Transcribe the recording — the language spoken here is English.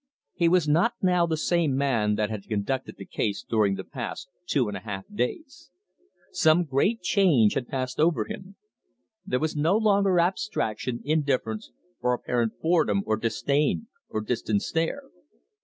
He was not now the same man that had conducted the case during the past two days and a half. Some great change had passed over him. There was no longer abstraction, indifference, or apparent boredom, or disdain, or distant stare.